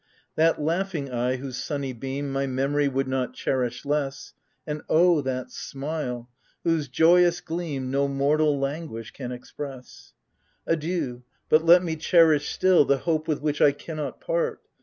That laughing eye, whose sunny beam My memory would not cherish less ;— And oh, that smile ! whose joyous gleam No mortal languish can express. Adieu ! but let me cherish, still, The hope with which I cannot part.